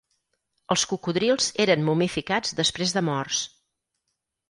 Els cocodrils eren momificats després de morts.